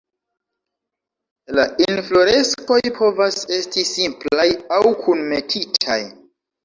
La infloreskoj povas esti simplaj aŭ kunmetitaj.